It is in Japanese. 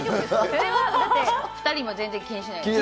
それはだって、２人も全然気にしない？